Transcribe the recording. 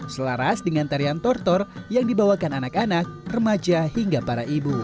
selaras dengan tarian tortor yang dibawakan anak anak remaja hingga para ibu